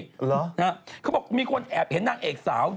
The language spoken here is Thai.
เหรอนะฮะเขาบอกมีคนแอบเห็นนางเอกสาว